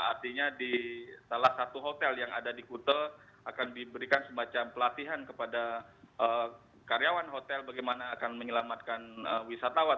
artinya di salah satu hotel yang ada di kute akan diberikan semacam pelatihan kepada karyawan hotel bagaimana akan menyelamatkan wisatawan